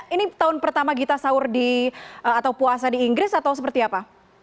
ini tahun pertama gita sahur atau puasa di inggris atau seperti apa